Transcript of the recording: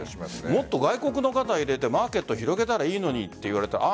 もっと外国の方入れてマーケット広めたらいいのにって言われたらああ